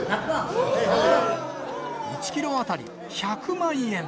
１キロ当たり１００万円。